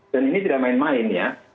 dan ini tidak main main ya